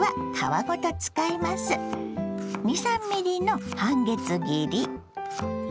２３ｍｍの半月切り。